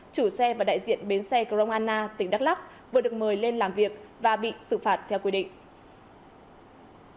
chủ xe và đại diện bến xe grong anna tỉnh đắk lắc vừa được mời lên làm việc và bị xử phạt theo quy định